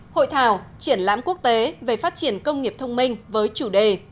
hội thảo triển lãm quốc tế về phát triển công nghiệp thông minh với chủ đề